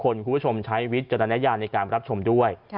คุณผู้ชมใช้วิจารณญาณในการรับชมด้วย